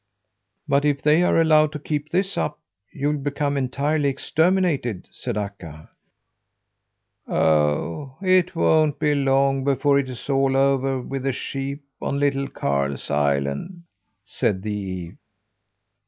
"But if they are allowed to keep this up, you'll become entirely exterminated," said Akka. "Oh! it won't be long before it is all over with the sheep on Little Karl's Island," said the ewe.